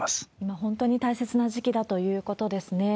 本当に大切な時期だということですね。